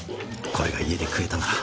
これが家で食えたなら。